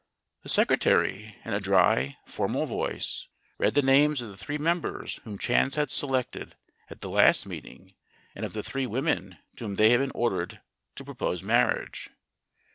The Secretary, in a dry, formal voice, read the names of the three members whom chance had selected at the last meeting and of the three women to whom they had been ordered to propose marriage.